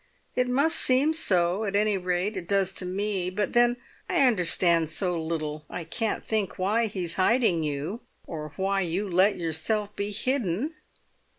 "It must seem so, at any rate; it does to me; but then I understand so little. I can't think why he's hiding you, or why you let yourself be hidden."